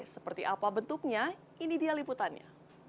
seperti apa bentuknya ini dia liputannya